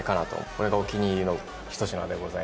これがお気に入りの一品でございます。